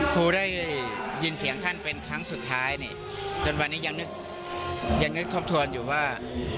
ครูได้ยินเสียงท่านเป็นครั้งสุดท้ายนี่จนวันนี้ยังนึกยังนึกทบทวนอยู่ว่า